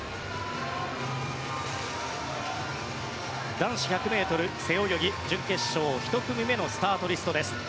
男子１００ｍ背泳ぎ準決勝１組目のスタートリストです。